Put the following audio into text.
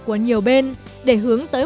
của nhiều bên để hướng tới